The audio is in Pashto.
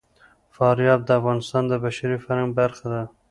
فاریاب د افغانستان د بشري فرهنګ برخه ده.